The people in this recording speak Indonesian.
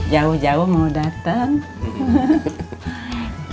jauh jauh mau dateng